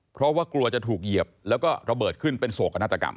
เพราะว่ากลัวจะถูกเหยียบแล้วก็ระเบิดขึ้นเป็นโศกนาฏกรรม